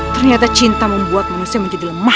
ternyata cinta membuat manusia menjadi lemah